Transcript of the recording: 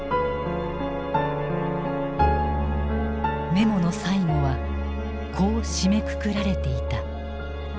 メモの最後はこう締めくくられていた。